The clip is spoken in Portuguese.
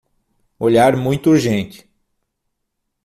Olhar muito urgente